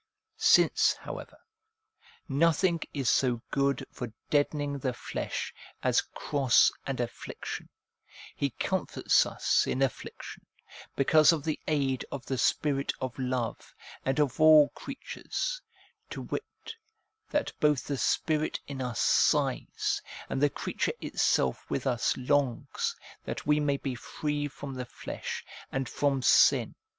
Since, 344 APPENDIX however, nothing is so good for deadening the flesh as cross and affliction, he comforts us in affliction, because of the aid of the Spirit of love, and of all creatures ; to wit, that both the Spirit in us sighs, and the creature itself with us longs, that we may be free from the flesh and from sin.